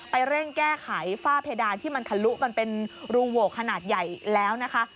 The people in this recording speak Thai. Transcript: เร่งแก้ไขฝ้าเพดานที่มันทะลุกันเป็นรูโหวกขนาดใหญ่แล้วนะคะ